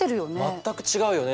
全く違うよね。